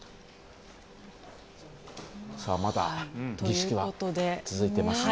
まだ儀式は続いていますね。